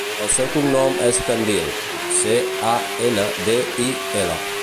El seu cognom és Candil: ce, a, ena, de, i, ela.